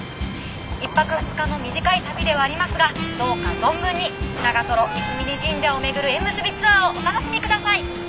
１泊２日の短い旅ではありますがどうか存分に長三峯神社を巡る縁結びツアーをお楽しみください。